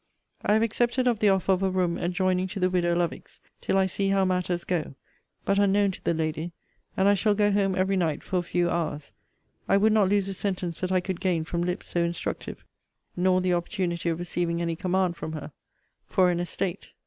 I have accepted of the offer of a room adjoining to the widow Lovick's, till I see how matters go; but unknown to the lady; and I shall go home every night, for a few hours. I would not lose a sentence that I could gain from lips so instructive, nor the opportunity of receiving any command from her, for an estate.